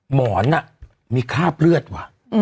หมอนมีคราบเลือดว่ะ